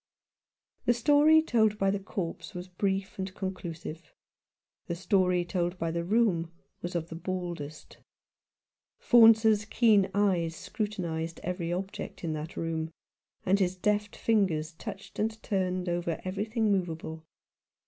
The story told by the corpse was brief and con clusive. The story told by the room was of the baldest. Faunce's keen eyes scrutinized every object in that room, and his deft fingers touched and turned over everything movable.